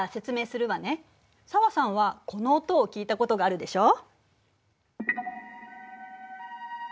紗和さんはこの音を聞いたことがあるでしょ？